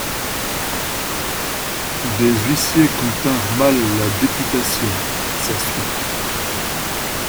Des huissiers continrent mal la députation, sa suite.